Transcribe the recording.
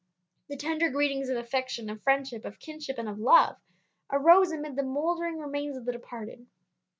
The tender greetings of affection, of friendship, of kinship, and of love, arose amid the mouldering remains of the departed.